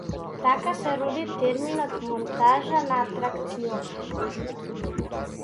Така се роди терминот монтажа на атракциони.